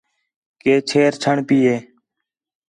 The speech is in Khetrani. کہ چھیر چھݨ پئی ہِے